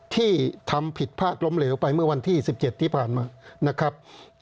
ที่ทำผิดพลาดล้มเหลวไปเมื่อวันที่๑๗ที่ผ่านมานะครับ